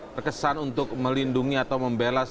terkesan untuk melindungi atau membelas